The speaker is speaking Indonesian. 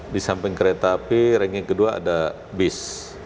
di samping kereta api ranking kedua ada bis